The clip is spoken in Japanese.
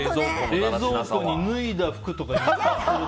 冷蔵庫に脱いだ服とか。